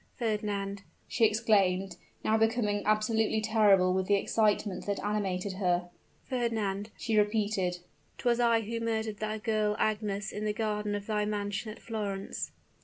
Fernand!" she exclaimed, now becoming absolutely terrible with the excitement that animated her; "Fernand!" she repeated, "'twas I who murdered the girl Agnes, in the garden of thy mansion at Florence!"